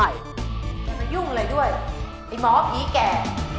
อย่ามายุ่งอะไรด้วยไอ้หมอผีแก่